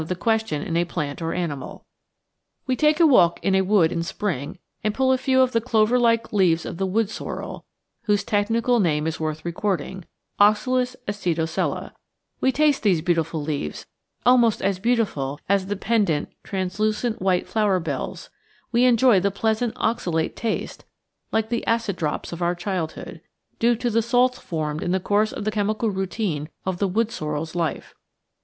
The Chemist as Creator 747 We take a walk in a wood in Spring and pull a few of the clover like leaves of the Wood Sorrel (whose technical name is worth recording, Oxalis acctosella) ; we taste these beautiful leaves, almost as beautiful as the pendent translucent white flower bells, we enjoy the pleasant oxalate taste (like the "acid drops" of our childhood), due to the salts formed in the course of the chemical routine of the Wood Sorrel's life.